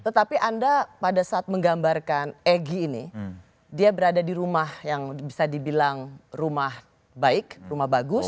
tetapi anda pada saat menggambarkan egy ini dia berada di rumah yang bisa dibilang rumah baik rumah bagus